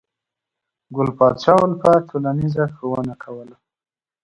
ګل پاچا الفت ټولنیزه ښوونه کوله.